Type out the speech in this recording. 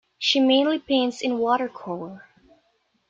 She mainly paints in watercolor.